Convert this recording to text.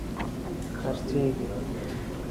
خرڅیږې